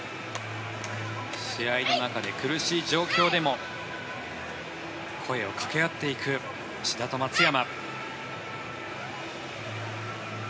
試合の中で苦しい状況でも声をかけ合っていく志田と松山。